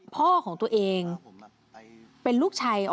พ่อของตัวเองเป็นลูกชาย